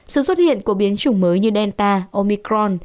sự xuất hiện của biến chủng mới như delta omicron